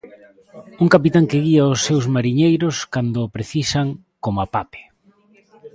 Un capitán que guía os seus mariñeiros cando o precisan, como Pape.